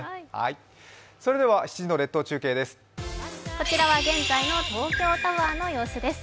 こちらは現在の東京タワーの様子です